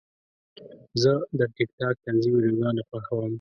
زه د ټک ټاک طنزي ویډیوګانې خوښوم.